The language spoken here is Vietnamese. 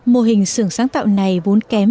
mô hình sưởng sáng tạo này vốn kém